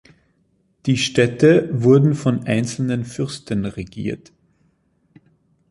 Die Städte wurden von einzelnen Fürsten regiert.